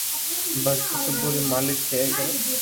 باقي تو سبو ري مالڪ کير ڪري